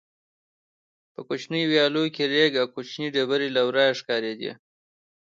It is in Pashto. په کوچنیو ویالو کې رېګ او کوچنۍ ډبرې له ورایه ښکارېدې.